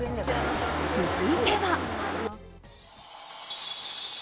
続いては。